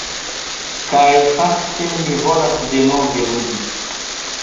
Kaj fakte, mi volas denove ludi!